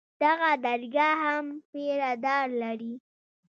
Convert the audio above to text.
دغه درګاه هم پيره دار لري.